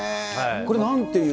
これ、なんていう？